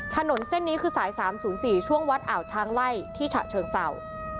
ถนนเส้นนี้คือสาย๓๐๔ช่วงวัดอ่าวช้างไล่ที่ฉะเชิงเศร้า